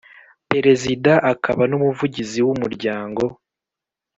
Perezida akaba n umuvugizi w umuryango